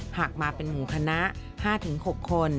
หากมาเป็นหมู่คณะ๕๖คน